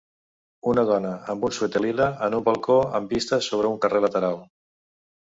Una dona amb un suèter lila en un balcó amb vista sobre un carrer lateral